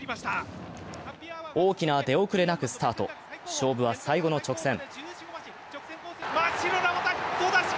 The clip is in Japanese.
大きな出遅れなくスタート、勝負は最後の直線。